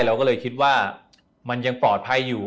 เราก็เลยคิดว่ามันยังปลอดภัยอยู่